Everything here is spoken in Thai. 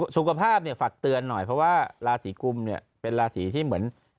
สุขภาพฝากเตือนหน่อยเพราะว่าราศีกุมเนี่ยเป็นราศีที่เหมือน